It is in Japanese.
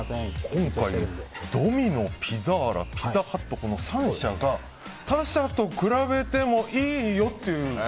今回、ドミノ・ピザ、ピザーラピザハットのこの３社が他社と比べてもいいよっていう。